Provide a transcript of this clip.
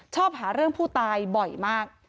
ชอบหาเรื่องผู้ตายบ่อยมาก